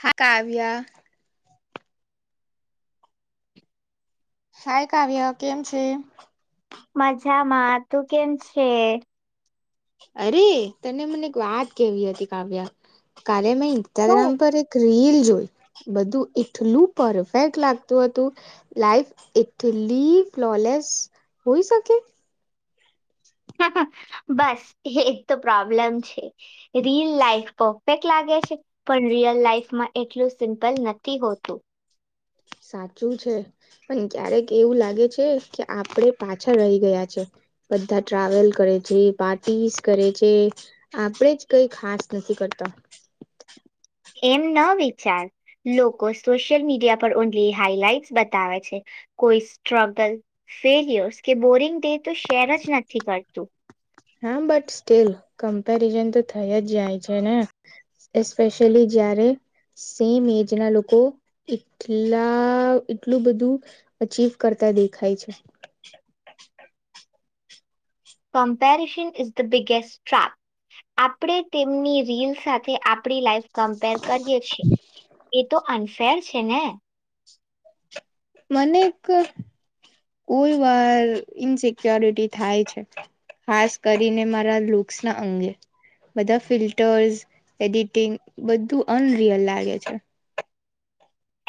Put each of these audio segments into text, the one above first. હા કાવ્યા હાય કાવ્ય, કેમ છે? મજામાં તું. કેમ છે? અરે તને મને એક વાત કેવી હતી કાવ્ય મેં શું ઇન્સ્ટાગ્રામ પર એક રીલ જોઈ બધું એટલું પરફેક્ટ લાગતું હતું લાઈફ એટલી ફ્લોલેસ હોય શકે બસ એક તો પ્રોબ્લેમ છે રીયલ લાઈફ પરફેક્ટ લાગે છે પણ રિયલ લાઈફમાં એટલું સિમ્પલ નથી હોતું સાચું છે પણ ક્યારેક એવું લાગે છે કે આપડે પાછા રહી ગયા છે બધા ટ્રાવેલ કરે છે પાર્ટીસ કરે છે આપણેે જ કઈ ખાસ નથી કરતા એમ ન વિચાર લોકો સોશિયલ મીડિયા પર ઓનલી હાઈલાઈટ બતાવે છે કોઈ સ્ટ્રગલ ફેલર્સ કે બોરિંગ ડે તો શેર જ નથી કરતું હા બટ સ્ટીલ કમ્પેરિઝન તો થયા જ જાય છે ને એસ્પેશિયલી જયારે સેમ એજ ના લોકો એટલા એટલું બધું અચીવે કરતા દેખાય છે comparison is the biggest tract આપણે તેમની રીલ સાથે આપણી લાઈફ કમ્પેર કરીએ છીએ એ તો અનફેર છે ને મને કોઈ વાર ઇનસિક્યોરિટી થાય છે ખાસ કરીને મારા લુક્સ ના અંગે બધા ફિલ્ટર્સ એડિટિંગ બધું અનરિયલ લાગે છે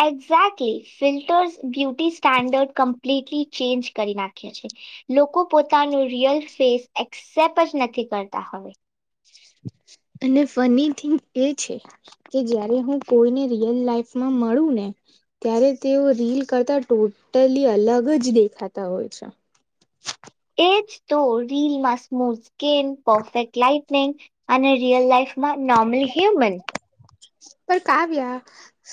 exactly filters beauty standard completely change કરી નાખ્યા છે લોકો પોતાનું રિયલ ફેસ એક્સેપ્ટ જ નથી કરતા હવે અને ફની થિંગ એ છે કે જયારે હું કોઈને રિયલ લાઈફમાં મળું ને ત્યારે તેઓ રીલ કરતા ટોટલી અલગ જ દેખાતા હોય છે એજતો રીલમાં સ્મૂથ સ્કીન પરફેક્ટ લાાઈટનિંગ અને રિયલ લાઈફમાં નોર્મલ હ્યુમન પણ કાવ્ય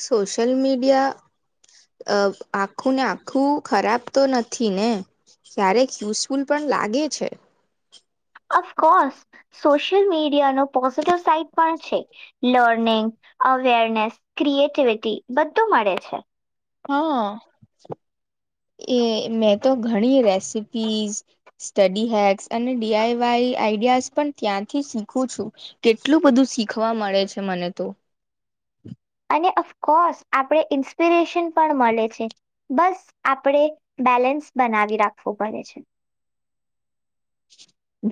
સોશિયલ મીડિયા આખું ને આખું ખરાબ તો નથી ને ક્યારેક યુઝફુલ પણ લાગે છે અફકોર્સ સોશિયલ મીડિયાનો પોઝિટિવ સાઈટ પણ છે લર્નિંગ અવેરનેસ ક્રિએટિવિટી બધું મળે છે હા એ મેં તો ઘણી રેસીપીઝ સ્ટડી હેક્સ અને ડીઆઈ વાઈ આઈડિયાઝ પણ ત્યાંથી શીખું છું કેટલું બધું શીખવા મળે છે મને તો કો આપ ઇન્સ્પિરેશન પણ મળે છે બસ આપણે બેલેન્સ બનાવી રાખવું પડે છે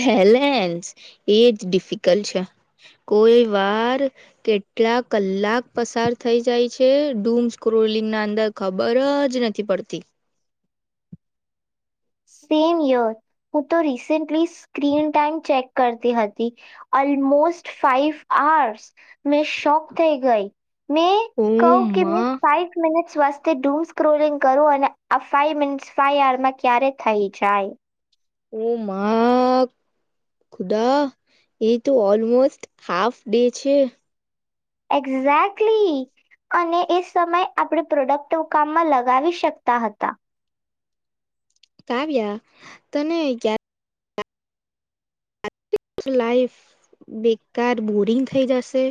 બેલેન્સ એજ ડિફિકલ્ટ છે કોઈ વાર કેટલા કલાક પસાર થઈ જાય છે ડૂમ સ્ક્રોલિંગ ના અંદર ખબર જ નથી પડતી સેમ યર હું તો રિસેન્ટલી સ્ક્રીન ટાઈઇમ ચેક કરતી હતી ઓલમોસ્ટ ફાઈવ આર્સ મેં શોક થઈ ગઈ મેં કહું કે મેં ઓમાં સાઇ મિનટ સ્વાસ્્ય ડૂમ સ્ક્રોલિંગ કરો અને આ ફાઇ મિનિટ ફાઈ આરમાં ક્યારેય થઈ જાય ઓ ખુદા એ તો ઓલમોસ્ટ હાફ ડે છે એક્ઝેક્ટલી અને એ સમયે આપણે પ્રોડક્ટ કામમાં લગાવી શકતા હતા કાવ્યા તને ક લાઈફ બેકાર બોરિંગ થઈ જશે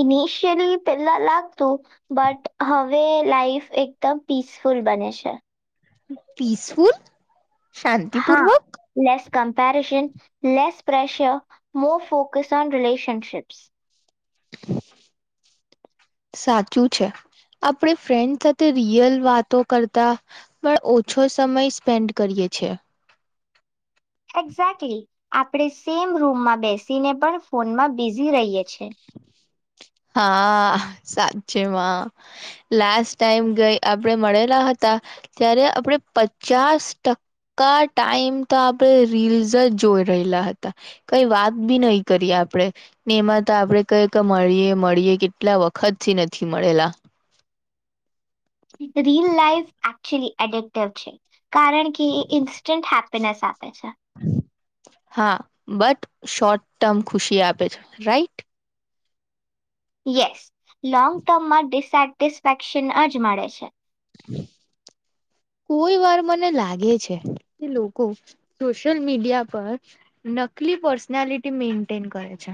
ઇનિશિયલી પેલા લાગતું બટ હવે લાાઈફ એકદમ પીસફુલ બને છે પીસફુલ શાંતિપૂર્વક comparison less pressure more focus on relationships સાચું છે આપણે ફ્રેન્ડ સાથે રિયલ વાતો કરતા પણ ઓછો સમય સ્પેન્ડ કરીએ છે એક્ઝેક્ટલી આપણેે સેમ રૂમમાં બેસીને પણ ફોનમાં બિઝી રહીએ છીએ [inaudible] હા સાચેમાં લાસ્ટ ટાઈમ ગઈ આપણે મળેલા હતા ત્યારે આપણેે પચાસ ટકા ટાઈમ તો આપણે રીસ જ જોઈ રહેલા હતા કઈ વાત બી નહી કરીએ આપણેે ને એમાં આપડણે ક કે મળીએ મળીએ કેટલા વખત થી નથી મળેલા રિયલ લાઈફ એકચુઅલી એડક્ટિવ છે કારણ કે ઇન્સ્ટન્ટ હે પ સાત છે હા બટ શોર્ટ ટર્મ ખુશી આપે છે રાઈટ સ લોંગ ટર્મમાં ડ સેટિસ્ફેક્શન જ મળે છે કોઈ વાર મને લાગે છે કે લોકો સોશિયલ મીડિયા પર નકલી પર્સનાલિટી મેન્ટેન કરે છે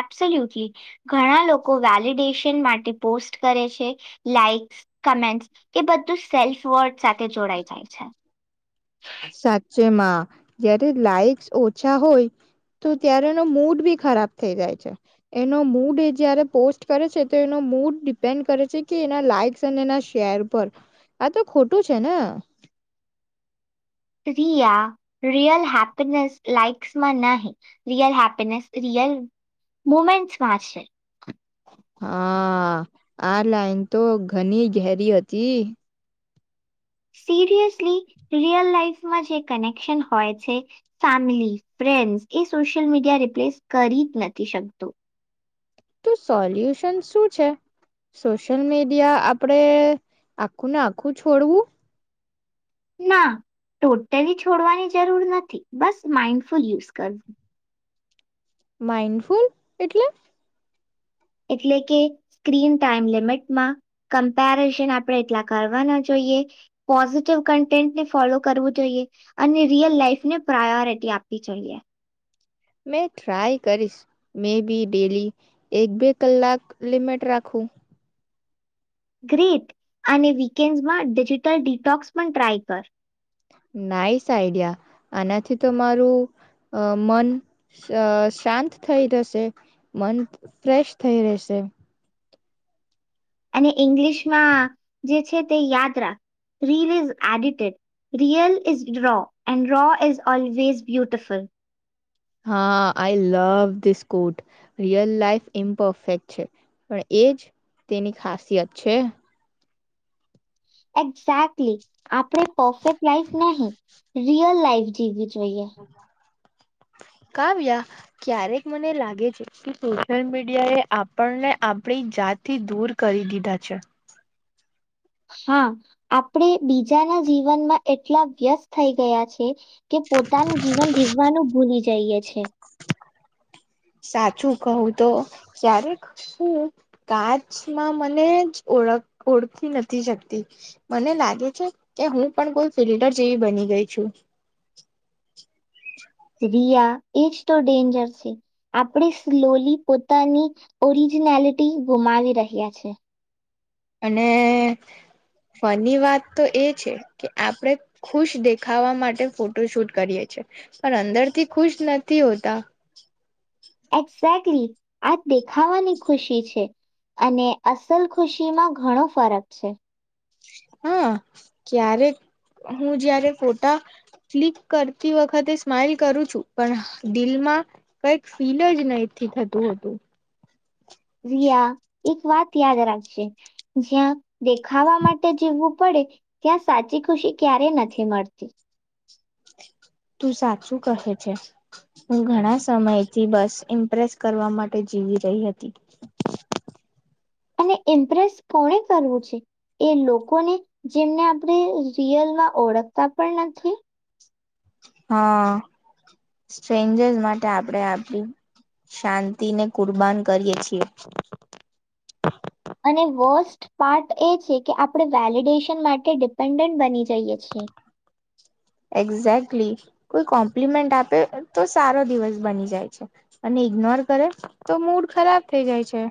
એપસોલ્યુટલી ઘણા લોકો વેલિડેશન માટે પોસ્ટ કરે છે લાાઈક્સ કમેન્ટ્સ એ બધું સેલ્ફ વર્ડ સાથે જોડાઈ જાય છે સાચેમાં જ્યારે લાઈક્સ ઓછા હોય તો ત્યારે એનો મૂડ બી ખરાબ થઈ જાય છે એનો મૂડ એ જયારે પોસ્ટ કરે છે તો એનો મૂડ ડિપેન્ડ કરે છે કે એના લાઈક્સ અને એના શેર પર આ તો ખોટું છે ને છે રિયલ હેપીનેસ લાઈક્સમાં નહી રિયલ હેપીનેસ રિયલ મુમેન્ટમાં છે હા આ લાઈન તો ઘણી ઘેરી હતી સિરિયસલી રિયલ લાાઈફમાં જે કનેક્શન હોય છે ફેમિલી ફ્રેન્ડ્સ એ સોશિયલ મીડિયા રિપ્લેસ કરી જ નથી શકતું તો સોલ્યુશન શું છે સોશિયલ મીડિયા આપડે આખું ને આખું છોડવું ના ટોટલી છોડવાની જરૂર નથી બસ માઈન્ડફુલ યુઝ કરવું માઇન્ડફુલ એટલે એટલે કે સ્ક્રીન ટાઈમ લિમિટમાં કમ્પેરિઝન આપણે એટલા કરવાના જોઈએ પોઝિટિવ કન્ટેન્ટને ફોલો કરવું જોઈએ અને રિયલ લાઈફને પ્રાયોરિટી આપવી જોઈએ મે ટ્રાય કરીશ મે બી ડેલી એક બે કલાક લિમિટ રાખું ગ્રેટ અને વીકેન્ડ્સમાં ડિજિટલ ડિટોક્સ પણ ટ્રાય કર નાઈસ આઈડિયા આનાથી તમારું મન શાંત થઈ જશે મન ફ્રેશ થઈ રહેશે અને ઇંગ્લિશમાં જે છે તે યાદ રાા reel is edited real is raw and raw is always beautiful હા I love this quote real life imperfect છે પણ એજ તેની ખાસિયત છે એક્ઝેક્ટલી આપણે પરફેક્ટ લાઈફ નહી. રિઅલ લાઈફ જીવી જોઈએ. કાવ્યા ક્યારેક મને લાગે છે કે સોશિયલ મીડિયા એ આપણને આપણી જાતથી દૂર કરી દીધા છે. હા આપણે બીજાના જીવનમાં એટલા વ્યસ્ત થઈ ગયા છે. કે પોતાનું જીવન જીવવાનું ભૂલી જ જઈએ છેએ. સાચું કહું તો ક્યારેક હું કાચમાં મને જ ઓળખ ઓળખી નથી શકતી મને લાગે છે કે હું પણ કોઈ ફિલ્ટર જેવી બની ગઈ છું. રિયા એજ તો ડેન્જર છે આપણે સ્લોલી પોતાની ઓરિજિનેલિટી ગુમાવી રહ્યા છે. અને ફની વાત તો એ છે કે આપણે ખુશ દેખાવા માટે ફોટો શૂટ કરીએ છે પણ અંદરથી ખુશ નથી હોતા. [inaudible] એેલી આ દેખાવાની ખુશી છે અને અસલ ખુશીમાં ઘણો ફરક છે. હા ક્યારેક હું જયારે ફોટા ક્લિક કરતી વખતે સ્માઈલ કરું છું પણ દિલમાં કંઈક ફીલ જ નથીહથી થતું હતું. રિયા એક વાત યાદ રાખશે જ્યાં દેખાવા માટે જીવવું પડે ત્યાં સાચી ખુશી ક્યારેય નથી મળતી. તું સાચું કહે છે હું ઘણા સમયથી બસ ઇમ્પ્રેસ કરવા માટે જીવી રહી હતી. અને ઇમ્પ્રેસ કોને કરવું છે એ લોકોને જેમને આપણે રિયલમાં ઓળખતા પણ નથી. હા સ્ટ્રેન્જર્સ માટે આપણેે આપડી શાંતિ ને કુરબાન કરીએ છીએ. અને વર્સ્ટ પાર્ટ એ છે કે આપણે વેલિડેશન માટે ડિપેન્ડન્ટ બની જઈએ છે. એક્ઝેક્ટલી કોઈ કોમ્પ્લિમેન્ટ આપે તો સારો દિવસ બની જાય છે અને ઈગ્નોર કરે તો મૂડ ખરાબ થઈ જાય છે.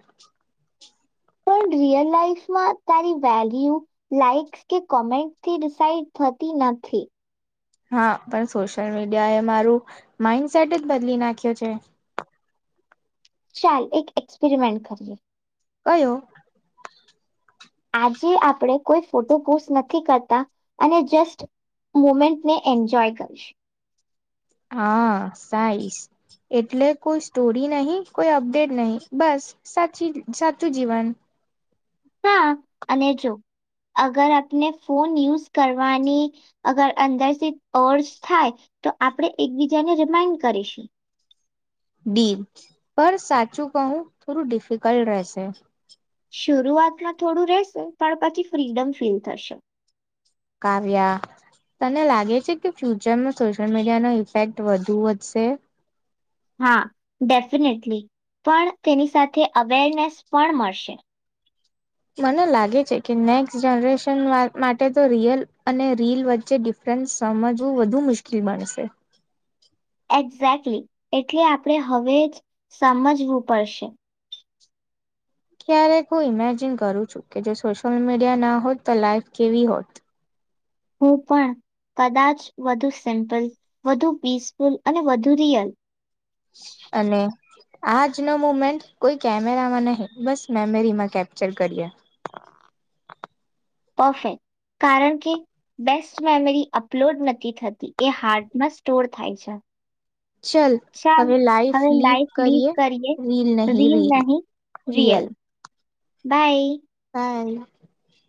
પણ રિયલ લાઈફ તારી વેલ્યુ લાઈક્સ કે કોમેન્ટથી ડિસાઇડ થતી નથી. હા પણ સોશિયલ મીડિયા એ મારું માઈન્ડસેટ જ બદલી નાખ્યો છે. ચાલ એક એક્સપેરિમેન્ટ કરીએ. કયો. આજે આપણે કોઈ ફોટો પોસ્ટ નથી કરતા અને જસ્ટ મુવમેન્ટ ને એન્જોય કરીશ. હા સાઈસ એટલે કોઈ સ્ટોરી નહી કોઈ અપડેટ નહી બસ સાચી સાચું જીવન. હા અને જો અગર આપણે ફોન યુઝ કરવાની અગર અંદરથી ઓર્સ થાય તો આપણે એકબીજાને રિમાઈન્ડ કરીશું. ડીલ પર સાચું કહું થોડું ડિફિકલ્ટ રહેશે. શરૂઆતમાં થોડું રહેશે પણ પછી ફ્રીડમ ફીલ થશે. કાવ્યા તને લાગે છે કે ફ્યુચરમાં સોશિયલ મીડિયાનો ઇફેક્ટ વધુ વધશે. હા ડેફિનેટલી પણ તેની સાથે અવેરનેસ પણ મળશે. મને લાગે છે કે નેક્સ્ટ જનરેશન માટે તો રિયલ અને રીલ વચ્ચે ડિફરન્સ સમજવું વધુ મુશ્કેલ બનશે. એક્ઝેક્ટલી એટલે આપણે હવે જ સમજવું પડશે. ક્યારેક હું ઇમેજિન કરું છું કે જો સોશિયલ મીડિયા ના હોત તો લાઈવ કેવી હોત. હું પણ કદાચ વધુ સિમ્પલ વધુ પીસફુલ અને વધુ રિયલ આજ ન મુમેન્ટ કોઈ કેમેરામાં નહી બસ મેમરીમાં કેપ્ચર કરીએ. પરફેક કારણ કે બેસ્ટ મેમરી અપલોડ નથી થતી એ હારડમાં સ્ટોર થાય છે. ચલ ચાલ હવે લાઈફ હવે લીવ લાઈફ કરીએ રીલ નહી રીલ રિયલ. બાય. [inaudible]